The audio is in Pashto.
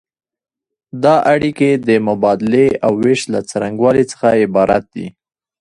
دا اړیکې د مبادلې او ویش له څرنګوالي څخه عبارت دي.